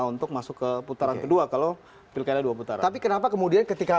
untuk masuk ke putaran kedua kalau pilkailnya dua putaran